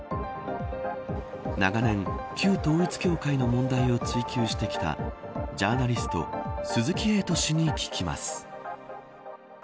長年、旧統一教会の問題を追及してきたジャーナリスト鈴木エイト氏に聞きます。